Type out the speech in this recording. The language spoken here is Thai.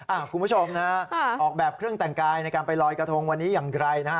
คุณผู้ชมนะฮะออกแบบเครื่องแต่งกายในการไปลอยกระทงวันนี้อย่างไรนะฮะ